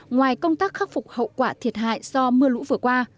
ngoài công tác khắc phục hậu quả thiệt hại do mưa lũ vừa qua